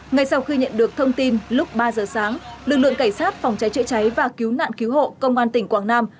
ngay sau khi nhận được thông tin lúc ba giờ sáng lực lượng cảnh sát phòng cháy chữa cháy và cứu nạn cứu hộ công an tỉnh quảng nam